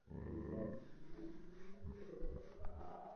দুজন সহযোগী, একজন সহকারী, দুজন প্রভাষকসহ ফিজিওলজি বিভাগে পাঁচজন শিক্ষক নেই।